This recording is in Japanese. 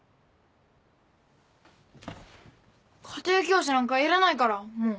家庭教師なんかいらないからもう。